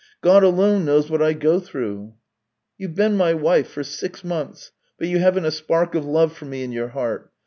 " God alone knows what I go through." " You've been my wife for six months, but you haven't a spark of love for me in your heart.